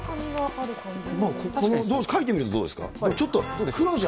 書いてみるとどうですか？